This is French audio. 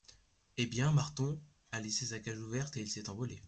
Eh bien, Marton a laissé sa cage ouverte et il s’est envolé !